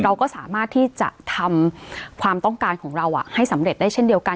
เราก็สามารถที่จะทำความต้องการของเราให้สำเร็จได้เช่นเดียวกัน